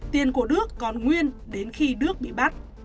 tiền của đức còn nguyên đến khi đước bị bắt